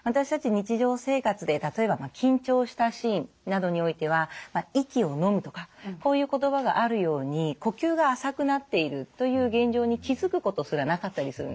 日常生活で例えば緊張したシーンなどにおいては息をのむとかこういう言葉があるように呼吸が浅くなっているという現状に気付くことすらなかったりするんです。